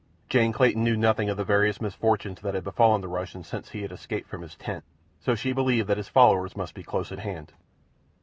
Jane Clayton knew nothing of the various misfortunes that had befallen the Russian since she had escaped from his tent, so she believed that his followers must be close at hand.